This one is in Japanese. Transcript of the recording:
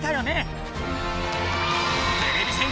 てれび戦士